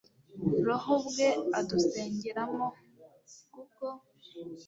roho ubwe adusengeramo, kuko